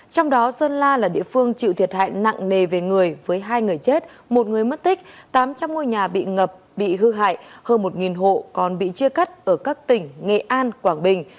trong đó sơn la là địa phương chịu thiệt hại nặng nề về người với hai người chết một người mất tích tám trăm linh ngôi nhà bị ngập bị hư hại hơn một hộ còn bị chia cắt ở các tỉnh nghệ an quảng bình